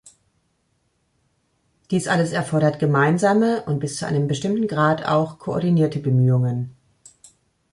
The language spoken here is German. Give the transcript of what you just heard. Dies alles erfordert gemeinsame und bis zu einem bestimmten Grad auch koordinierte Bemühungen.